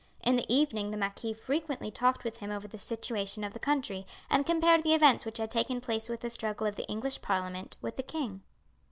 In the evening the marquis frequently talked with him over the situation of the country and compared the events which had taken place with the struggle of the English parliament with the king.